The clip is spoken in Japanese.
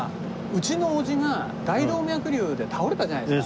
うちの叔父が大動脈瘤で倒れたじゃないですか。